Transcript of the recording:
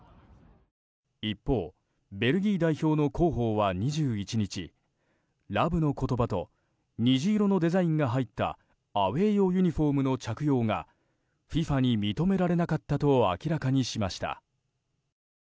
一方、ベルギー代表の広報は２１日「ＬＯＶＥ」の言葉と虹色のデザインが入ったアウェー用ユニホームの着用がＦＩＦＡに認められなかったと明らかにしました。